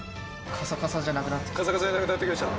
カサカサじゃなくなってきました？